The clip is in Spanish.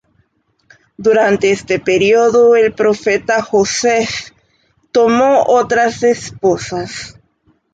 Durante este período, el profeta Joseph tomó otras esposas.